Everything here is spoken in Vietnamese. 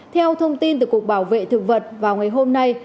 theo thông tin từ cục bảo vệ thực vật vào ngày hôm nay